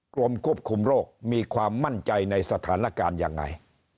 กรมควบคุมโรคมีความมั่นใจในสถานการณ์ยังไง